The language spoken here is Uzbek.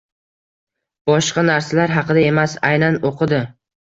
Boshqa narsalar haqida emas, aynan oʻqidi